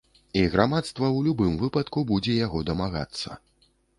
І грамадства ў любым выпадку будзе яго дамагацца.